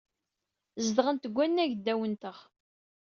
Zedɣent deg wannag ddaw-atneɣ.